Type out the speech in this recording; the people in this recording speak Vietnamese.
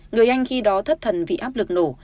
người anh khi đó thất thần vì áp lực nổ